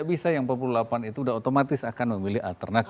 kalau orang yang empat puluh delapan itu sudah otomatis akan memilih alternatif